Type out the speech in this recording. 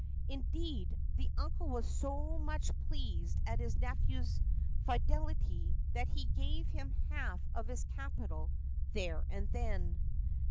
Indeed, the uncle was so much pleased at his nephew's fidelity that he gave him half of his capital there and then.